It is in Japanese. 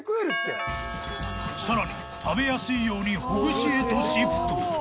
［さらに食べやすいようにほぐしへとシフト］